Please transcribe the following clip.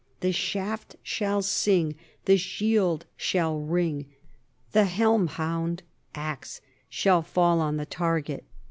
The shaft shall sing, the shield shall ring, the helm hound [axe] shall fall on the target.